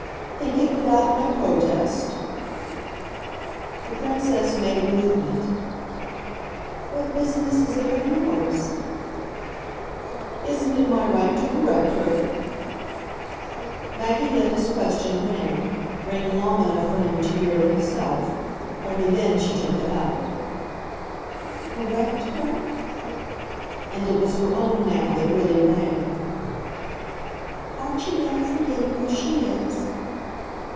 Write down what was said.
"Think it without my protest ?" The Princess made a movement. "What business is it of yours?" "Isn't it my right to correct her ?" Maggie let his question ring ring long enough for him to hear it himself; only then she took it up. "'Correct' her?" and it was her own now that really rang. "Aren't you rather forgetting who she is?"